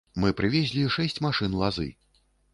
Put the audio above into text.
Мы прывезлі шэсць машын лазы.